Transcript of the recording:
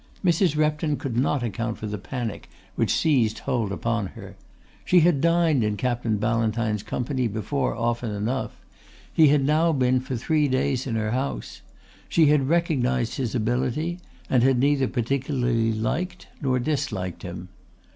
Mrs. Repton could not account for the panic which seized hold upon her. She had dined in Captain Ballantyne's company before often enough; he had now been for three days in her house; she had recognised his ability and had neither particularly liked nor disliked him.